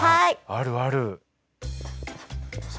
あるある。